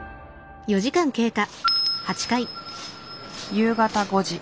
夕方５時。